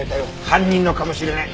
犯人のかもしれない。